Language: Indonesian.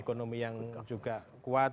ekonomi yang juga kuat